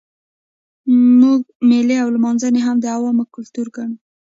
موږ مېلې او لمانځنې هم د عوامو کلتور ګڼو.